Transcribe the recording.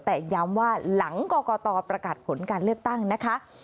แต่ย้ำว่าหลังกรกตประกาศผลการเลือกตั้งนะคะ